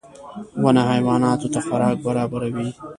• ونه حیواناتو ته خوراک برابروي.